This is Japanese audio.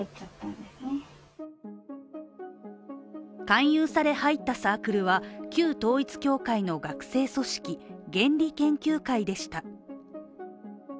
勧誘され、入ったサークルは旧統一教会の学生組織原理研究会でした。